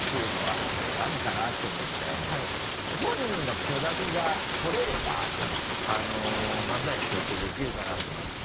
本人の許諾が取れれば漫才の設定できるかなと思って。